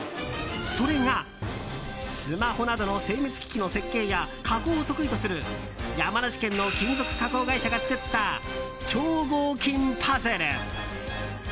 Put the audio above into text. それが、スマホなどの精密機器の設計や加工を得意とする山梨県の金属加工会社が作った超合金パズル。